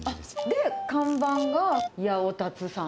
で、看板が八百辰さん。